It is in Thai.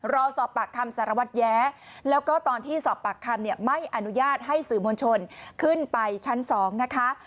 รอสอบปากคำสารวัตรแย้แล้วก็ตอนที่สอบปากคำเนี่ยไม่อนุญาตให้สื่อมวลชนขึ้นไปชั้น๒นะคะ